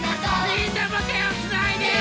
みんなもてをつないでよ！